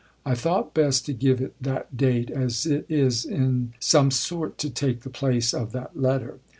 I thought best to give it that date, as it is in some sort to take the place of that letter.